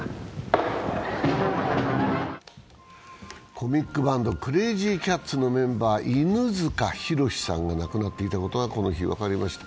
コミックバンド、クレイジー・キャッツのメンバー、犬塚弘さんが亡くなっていたことがこの日、分かりました。